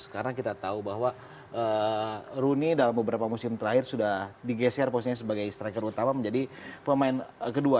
karena kita tahu bahwa rooney dalam beberapa musim terakhir sudah digeser posisinya sebagai striker utama menjadi pemain kedua